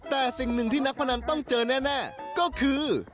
แต่สิ่งหนึ่งที่นักพนันต้องเจอแน่ก็คือ